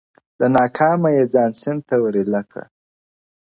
له ناکامه یې ځان سیند ته ور ایله کړ-